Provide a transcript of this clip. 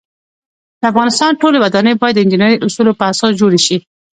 د افغانستان ټولی ودانۍ باید د انجنيري اوصولو په اساس جوړې شی